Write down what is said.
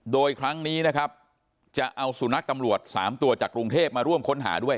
โดยครั้งนี้นะครับจะเอาสุนัขตำรวจ๓ตัวจากกรุงเทพมาร่วมค้นหาด้วย